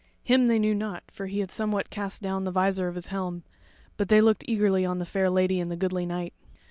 Him they knew not, for he had somewhat cast down the visor of his helm; but they looked eagerly on the fair lady and the goodly knight.